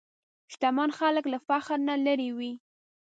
شتمن خلک له فخر نه لېرې وي.